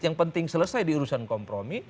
yang penting selesai diurusan kompromi